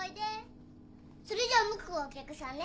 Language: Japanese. それじゃムックはお客さんね。